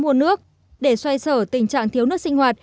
nguồn nước để xoay sở tình trạng thiếu nước sinh hoạt